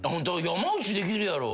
山内できるやろ。